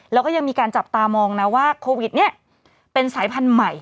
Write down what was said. แล้วก็ยังมีการจับตามองนะว่าโควิดนี้เป็นสายพันธุ์ใหม่